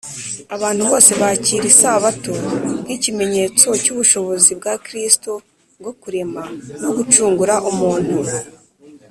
abantu bose bakira isabato nk’ikimenyetso cy’ubushobozi bwa kristo bwo kurema no gucungura umuntu